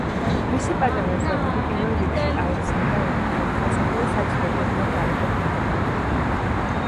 მისი პატარა ზომები, პირველ რიგში, აიხსნება იმით, რომ სასახლე საცხოვრებლად არ იყო განკუთვნილი.